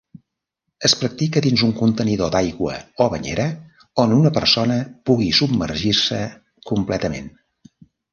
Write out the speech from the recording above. Es practica dins un contenidor d'aigua o banyera on una persona pugui submergir-se completament.